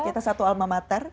kita satu alma mater